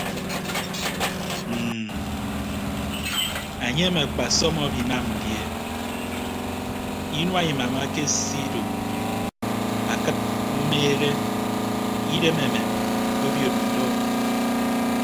Mm anyem akpasọm abinam die inua imam akesido akịd umeehe idem amem obiod ndọ.